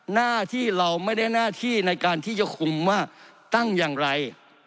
หน้าที่เราไม่ได้หน้าที่ในการที่จะคุมว่าตั้งอย่างไร